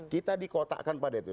kita dikotakkan pada itu